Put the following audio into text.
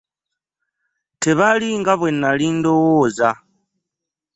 Tebali nga bwe nali ndowooza.